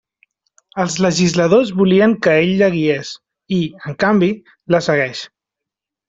Els legisladors volien que ell la guiés, i, en canvi, la segueix.